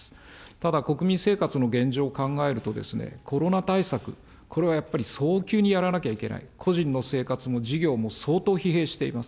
ただ、国民生活の現状を考えると、コロナ対策、これはやっぱり、早急にやらなきゃいけない、個人の生活も事業も相当疲弊しています。